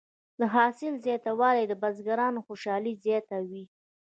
د حاصل زیاتوالی د بزګرانو خوشحالي زیاته وي.